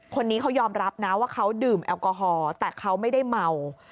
คนนี้เขายอมรับนะว่าเขาดื่มแอลกอฮอล์แต่เขาไม่ได้เมา